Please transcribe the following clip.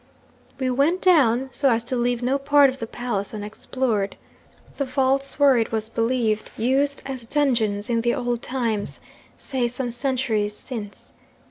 'We went down, so as to leave no part of the palace unexplored. The vaults were, it was believed, used as dungeons in the old times say, some centuries since.